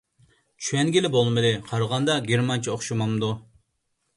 چۈشەنگىلى بولمىدى. قارىغاندا گېرمانچە ئوخشىمامدۇ؟